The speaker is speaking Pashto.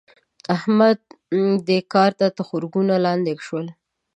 د احمد؛ دې کار ته تخرګونه لانده شول.